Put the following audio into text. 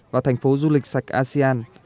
và thành phố du lịch sạch asean